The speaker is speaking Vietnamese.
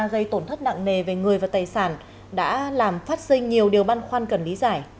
gây tổn thất nặng nề về người và tài sản đã làm phát sinh nhiều điều băn khoăn cần lý giải